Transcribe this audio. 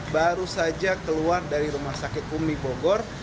baru saja keluar dari rumah sakit umi bogor